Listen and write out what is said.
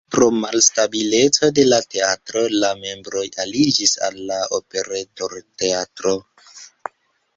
Pro malstabileco de la teatro la membroj aliĝis al la Operetoteatro.